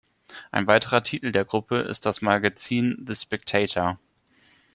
Ein weiterer Titel der Gruppe ist das Magazin "The Spectator".